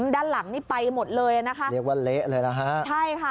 ด้านหลังนี่ไปหมดเลยอ่ะนะคะเรียกว่าเละเลยนะฮะใช่ค่ะ